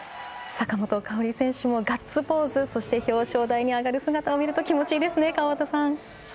坂本花織選手のガッツポーズそして表彰台に上がる姿を見ると気持ちいいですね、川端さん。